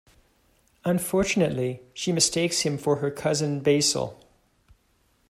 Unfortunately, she mistakes him for her cousin Basil.